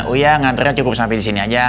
uya ngantrenya cukup sampai disini aja